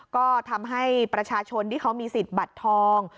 ก็ทำให้ประชาชนที่เขามีสิทธิ์บัตรทอง